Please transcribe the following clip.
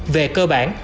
về cơ bản